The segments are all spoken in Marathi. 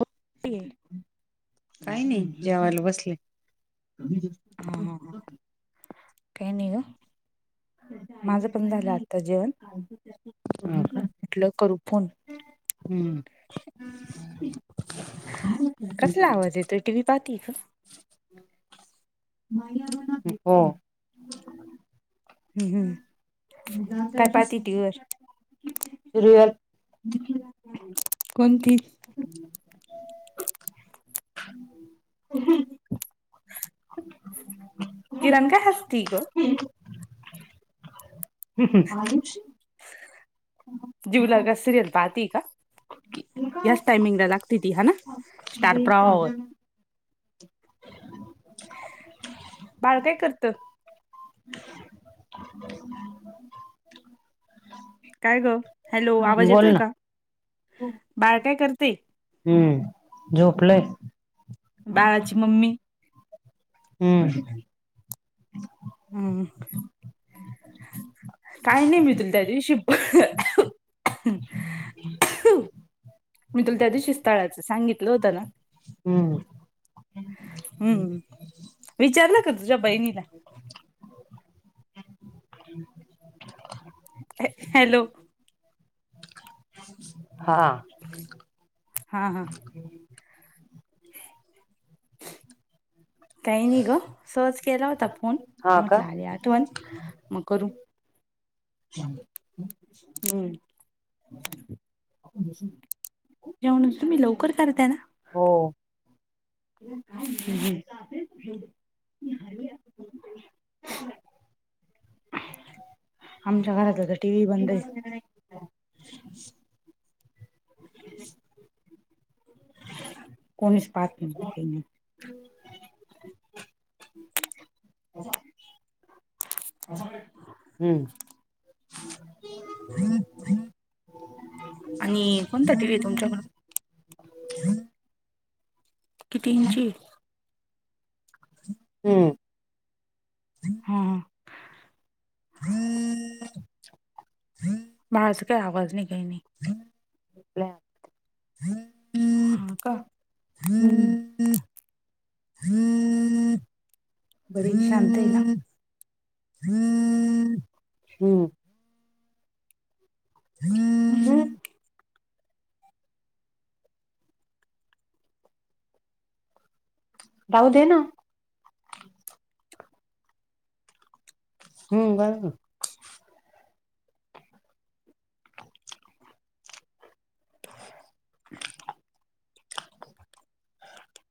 [unintelligible] होते आहे. हम्म हा हा हा. काय नाही ग. माझं पण झालं आत्ता जेवण म्हटलं, करू फोन हम्म. कसला आवाज येतोय, टी व्ही पाहती का? ह... हम्म हम्म. काय पाहती टीव्हीवर? फिरुयात [inaudible] [unintelligible] [unintelligible] जीवलगा सिरीयल पाहती का? हयाच टायमिंगला लागते ती हा ना स्टार प्रवाह वर. बाळ काय करतं. [inaudible] काय ग, हॅलो आवाज येतोय का? बळ काय करते? हम्म, झोपलयं. बाळाची मम्मी हम्म. हम्म. काही नाही मी तुला त्या दिवशी मी, तुला त्या दिवशी स्थळाचं सांगितलं होतं ना. हम्म हम्म. हम्म. विचारलं का तुझ्या बहिणीला? हे, हॅलो. हा. हा. हा. [inaudible] काही नाही ग सहज केला होता फोन म्हटलं आले आठवण मग करू. [inaudible] हम्म आपण बसू. जेवणाचं तुम्ही लवकर करताय ना. हो. हम्म. हम्म. [unintelligible] आमच्या घरात आता टीव्ही बंद आहे. [inaudible] कोणीच पाहात नाही. [inaudible] बसा. हम्म. [inaudible] किती इंची आहे. हम्म. हा हा. [inaudible] माझ काय आवाज नाही काही नाही. ह. ला हम् हा. का. हमं. [inaudible] बरीच शांत आहे ना. [inaudible] हम्म. [inaudible] म्हणजे ताव दे ना. हम्म. बराबर [inaudible] [inaudible]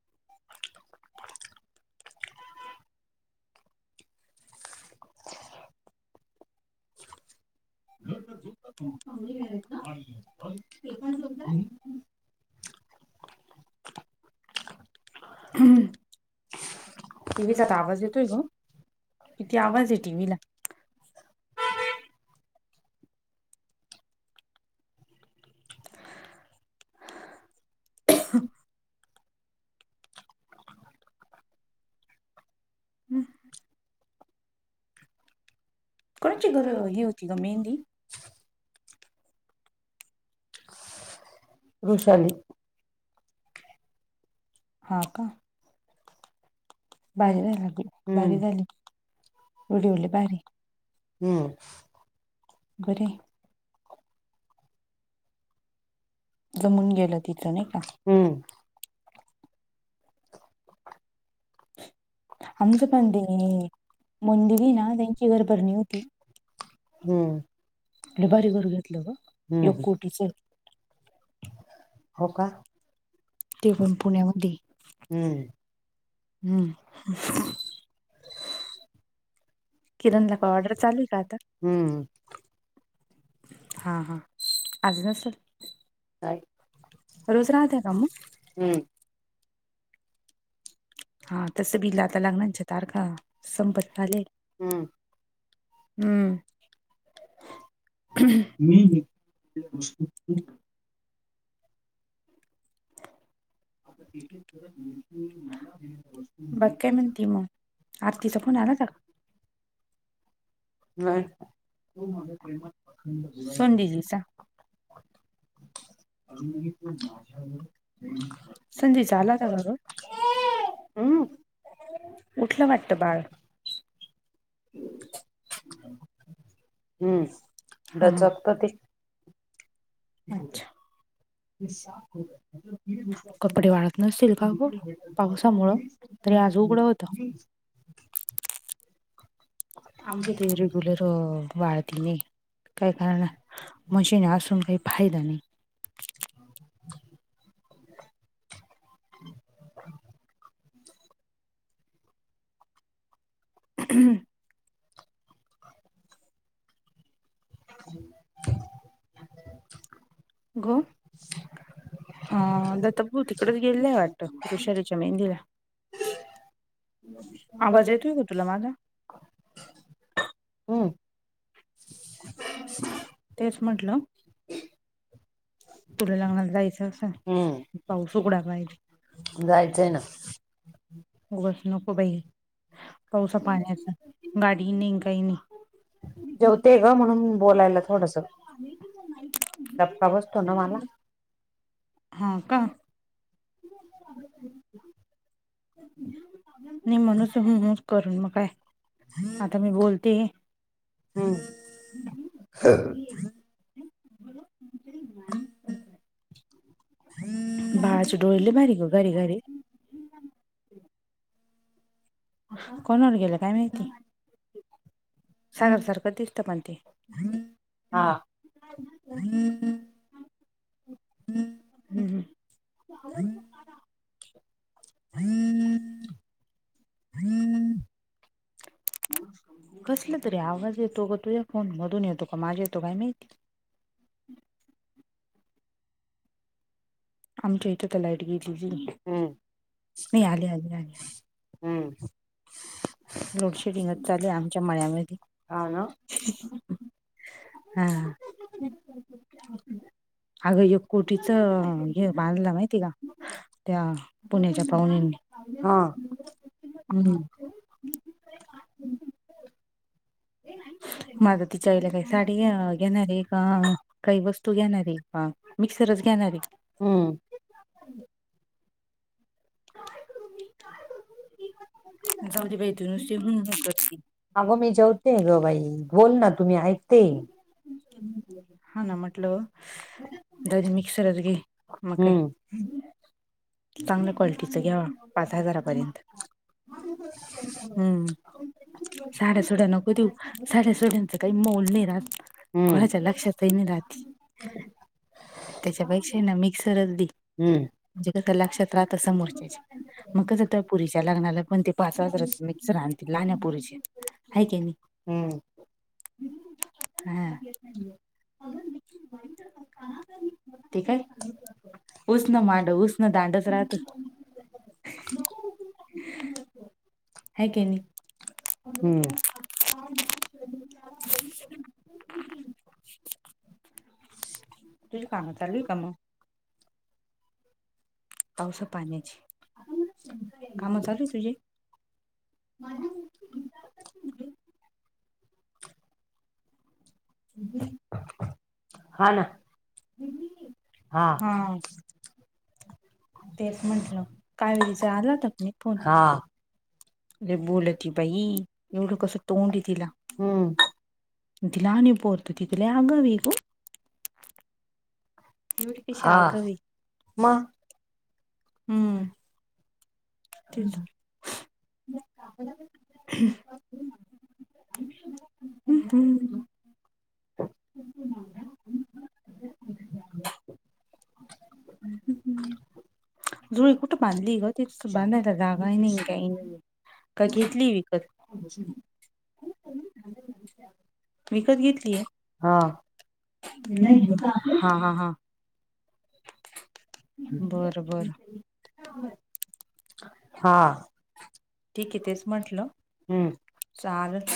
[unintelligible] पेपर हम्म. टीव्हीचा आवाज येतो ग. किती आवाज आहे टीव्ही ला. [unintelligible] [inaudible] कोणाची घर हे होती ग मेहंदी. रुषाली. हा का. भाजी नाय झाकलो बारी झली‌. ‍‌‌‍‌‌‍ उडी उले भारी बरे. जमून गेलं तिज नाही का. आमचं पण दे नी मुदी त्यांची ओटभरणी होती. लय भारी घर घेतलं ग एक कोटीच आहे. ते पण पुण्यामध्ये हम्म. किरणला का ऑर्डर चालु का आता. हा हा आज नसल. काय हम्म. हा तस बिला आता लागणारच्या तारख संपत झाले. हम्म. [unintelligible] बघ काय म्हणती म आरतीचा फोन आला होता? [inaudible] नाही. [unintelligible] उठलं वाटतं बाळ. हम्म डचकत ते. [unintelligible] प. [inaudible] [unintelligible] आमच्या ते रेग्युलर वाळती नाही. काही कारण मशीने असून काही फायदा नाही. [inaudible] [inaudible] हं [unintelligible] गो अ दतभूती. परत गेलंय वाटतं रुषरीच्या मेहंदीला. आवाज येतो का तुला माझा. हम्म. तेच म्हटलं. तुझं लग्नाला जायचं असं पाऊस उघडा नाही. जायचें आहे ना? उगस नको बाई पावसा पाण्याचा गाडी नाही काही नाही. जेवतोय का म्हणून बोलायला थोडसा. धका बसतो ना मला. हा का. निमा नुसतं हु हु करून मग काय. आता मी बोलते. हमं हं [inaudible] बाळाचे डोळी लय भारी गं गारी गारी. कोणावर गेलं काय माहिती सागर सारखं दिसतं पण ते. हा. हम्म हम्म. [unintelligible] हम ह [inaudible] कसलं तरी आवाज येतो ग तुझ्या फोन मधून येतो का माझा येतो काय माहित? आमच्या इथे तर लाईट गेलीली. हम्म हम्म. लोड शेडिंगच चालु आहे आमच्या मळ्यामध्ये. हां. अगं एक कोटीचं हे बांधलं माहिती आहे का? त्या पुण्याच्या पाहुणीनी हम्म. म आता तिच्या आईला काही साडी घ्याव? घेणारे का काही वस्तू घेणारे मिक्सरच घेणारे. हम्म. जाऊ दे बाई तु नुसती हुं हुं कर. अगं मी जेवते गं बाई बोल ना तुम्ही ऐकते. हा ना म्हटलं ददी मिक्सरच घे म काय? हम्म. चांगल्या क्वालिटीचं घ्यावा पाच हजारापर्यंत. [unintelligible] साड्या सुड्या नको देऊ साड्या सोड्यांचं काही मोल नाही राहत कोणाच्या लक्षात पय नी राहत त्याच्यापेक्षा ना मिक्सरलदी. हम्म. जे कर क लक्षात राहतो समोरचेच. म कसं ते पुरीच्या लग्नाला पण ते पाच वाज रत मिक्स रहानती लहान आहे पुरीचे. हम्म. हां. ते काय उसनं मांडव उसनं दांडच राहतं. [inaudible] हाय की नाही. हम्म. तुझी कामं चालू आहे का म? पावसा पाण्याची काम चालू आहे तुझे? हा ना हा. तेच म्हंटलं कावेरीचा आला होता की नाही फोन? लय बोलं ती बाई एवढं कसं तोंड आहे तिला. ती लहान आहे पोरं ती ते लेहाम विकु. हा म. मठ तीच हम्म हम्म. [unintelligible] हम्म हम्म. जोळी कुठं बांधली गं तिथ बांधायला जागा नाही हाय काय नाहीये. का घेतली विकत? विकत घेत ती आहे हा हा हा. हा. ठीक आहे तेच म्हटलं. चाललं.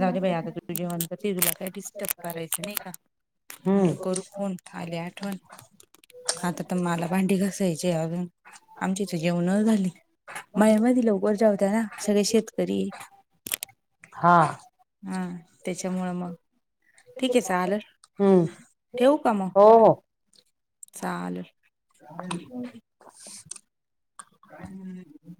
जाऊ दे बाई, आता [unintelligible] तेजीला काही डिस्टर्ब करायचं नाही का. हम्म. आली आठवण आता तर मला भांडी घासायची आहे अजून. आमची इथं जेवणं झाली माया मधी लवकरच्या होत्या ना सगळे शेतकरी. हा. हा त्याच्यामुळं मग ठीक आहे चालेल ठेवू का म? चालेल हम्म. [unintelligible]